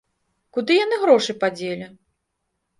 Куды яны грошы падзелі?